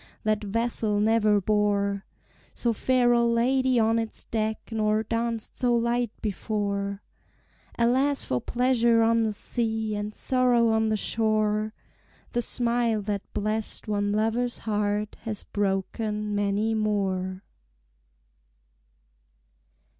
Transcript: that vessel never bore So fair a lady on its deck, nor danced so light before Alas for pleasure on the sea, and sorrow on the shore! The smile that blest one lover's heart has broken many more!